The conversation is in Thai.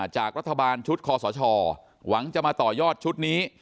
จากรัฐบาลชุดคอสชหวังจะมาต่อยอดชุดนี้